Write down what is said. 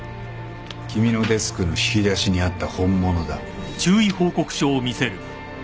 君のデスクの引き出しにあった本物だ。